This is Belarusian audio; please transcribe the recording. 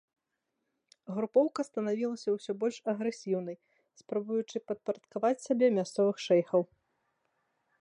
Групоўка станавілася ўсё больш агрэсіўнай, спрабуючы падпарадкаваць сабе мясцовых шэйхаў.